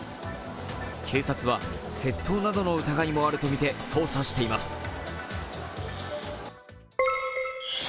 警察は窃盗などの疑いもあるとみて捜査しています。